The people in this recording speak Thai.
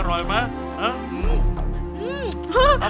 อร่อยไหม